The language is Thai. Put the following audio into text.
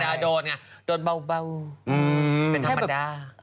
โดนไงโดนเบาเป็นธรรมดา